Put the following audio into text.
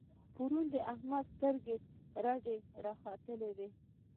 پرون د احمد سترګې رډې را ختلې وې.